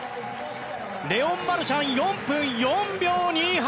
レオン・マルシャン４分４秒２８。